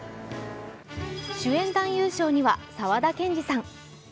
主演男優賞には沢田研二さん。